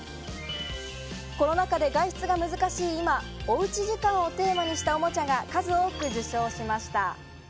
コロナ禍で外出が難しい今、おうち時間をテーマにしたおもちゃが数多く受賞しました。